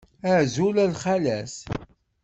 Azul a lxalat.